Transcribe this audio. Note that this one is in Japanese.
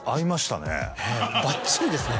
バッチリですね。